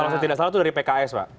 kalau saya tidak salah itu dari pks pak